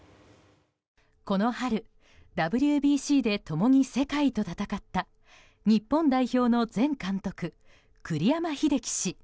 この春、ＷＢＣで共に世界と戦った日本代表の前監督栗山英樹氏。